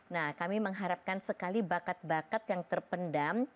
nah kami mengharapkan sekali bakat bakat yang terpendam